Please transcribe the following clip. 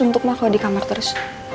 untuk maaf aku di kamar terus